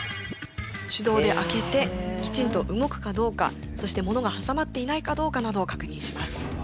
手動で開けてきちんと動くかどうかそして物が挟まっていないかどうかなどを確認します。